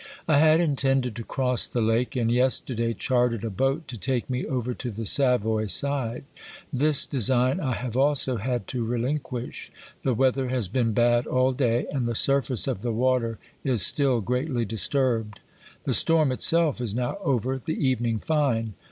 I had intended to cross the lake, and yesterday chartered a boat to take me over to the Savoy side. This design I have also had to relinquish ; the weather has been bad all day, and the surface of the water is still greatly disturbed. The storm itself is now over, the evening fine.